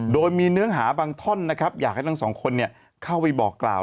โดยมีเนื้อหาบางท่อนนะครับอยากให้ทั้งสองคนเข้าไปบอกกล่าว